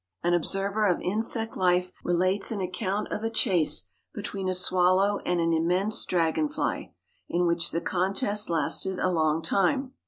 An observer of insect life relates an account of a chase between a swallow and an immense dragonfly, in which the contest lasted a long time.